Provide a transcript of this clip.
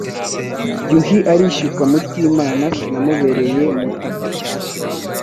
Yuhi arishyuka Mutimana sinamubereye Mutati